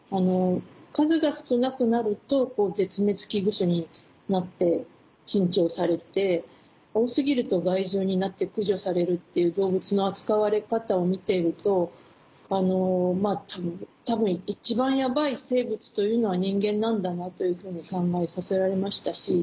数が少なくなると絶滅危惧種になって珍重されて多過ぎると害獣になって駆除されるっていう動物の扱われ方を見ていると多分一番ヤバイ生物というのは人間なんだなというふうに考えさせられましたし。